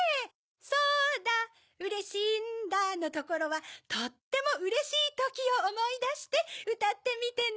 そうだうれしいんだのところはとってもうれしいときをおもいだしてうたってみてね。